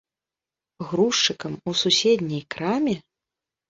Грузчыкам у суседняй краме?